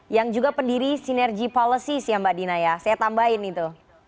yang juga pendiri sinergi policys ya mbak dina ya saya tambahin itu